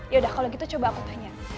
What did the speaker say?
yaudah kalau gitu coba aku tanya